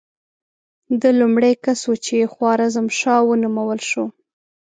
ده لومړی کس و چې خوارزم شاه ونومول شو.